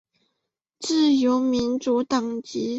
自由民主党籍。